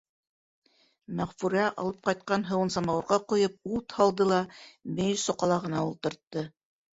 Мәғфүрә, алып ҡайтҡан һыуын самауырға ҡойоп, ут һалды ла мейес соҡалағына ултыртты.